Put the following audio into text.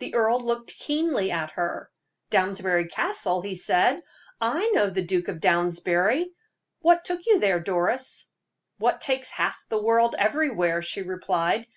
The earl looked keenly at her. "Downsbury Castle!" he said. "I know the Duke of Downsbury. What took you there, Doris?" "What takes half the world everywhere?" she replied.